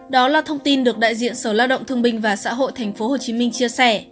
đó là thông tin được đại diện sở lao động thương binh và xã hội tp hcm chia sẻ